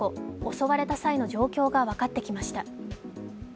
襲われた際の状況が分かってきました。